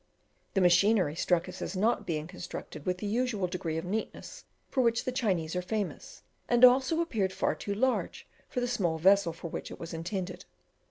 The machinery struck us as not being constructed with the usual degree of neatness for which the Chinese are famous, and also appeared far too large for the small vessel for which it was intended.